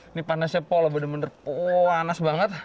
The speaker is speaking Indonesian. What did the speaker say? ini panasnya pol benar benar panas banget